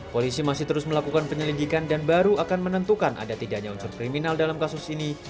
polisi masih terus melakukan penyelidikan dan baru akan menentukan ada tidaknya unsur kriminal dalam kasus ini